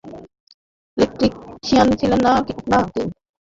Electrician ছিলেন না কি?